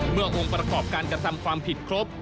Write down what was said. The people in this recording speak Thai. องค์ประกอบการกระทำความผิดครบ